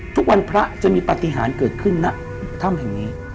ทุกวันพระจะมีปฏิหารเกิดขึ้นนะบุคธรรมแห่งนี้